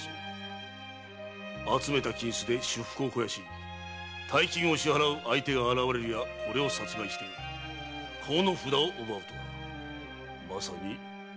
集めた金子で私腹を肥やし大金を支払う相手が現れるやこれを殺害し講の札を奪うとはまさに悪行の極みだ！